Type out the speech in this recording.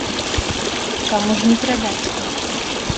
Чаму ж не прадаць?